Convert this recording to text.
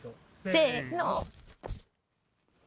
せの！